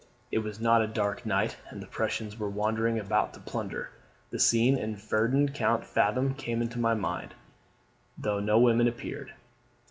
It was not a dark night, and the Prussians were wandering about to plunder; the scene in Ferdinand Count Fathom came into my mind, though no women appeared.